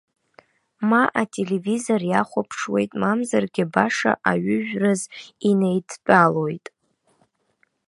Ма ателевизор иахәаԥшуеит, мамзаргьы баша аҩыжәраз инеидтәалоит.